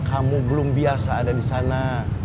kamu belum biasa ada di sana